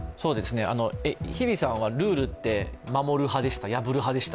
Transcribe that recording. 日比さんはルールって守る派でしたか、破る派でした？